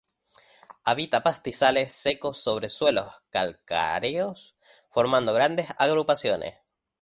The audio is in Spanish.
Habita pastizales secos sobre suelos calcáreos formando grandes agrupaciones.